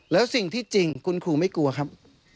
แล้วสิ่งที่จริงคุณครูไม่กลัวครับ